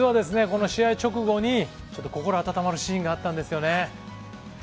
この試合直後に心温まるシーンがあったんですよね。